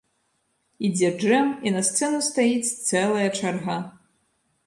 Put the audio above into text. Ідзе джэм, і на сцэну стаіць цэлая чарга!